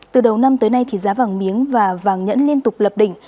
từ đầu năm tới nay giá vàng miếng và vàng nhẫn liên tục lập đỉnh